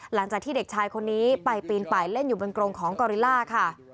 หลังจากที่เด็กชายคนนี้ไปปีนป่ายเล่นอยู่บนกรงของกอริล่าค่ะ